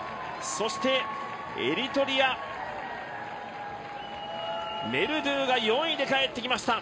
そして、エリトリアメルドゥが４位で帰ってきました。